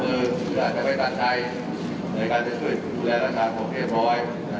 ก็ทั้งนี้ผมให้บังคับมาเป็นการเชิญอย่างล่อยไปสูงประเด็นให้กว่าศัตรูศัพท์ในระบังที่จะใจ